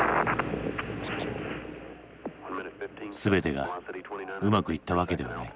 全てがうまくいったわけではない。